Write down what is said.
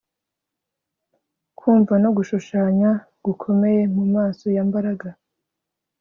ku mva no gushushanya gukomeye mumaso yambaraga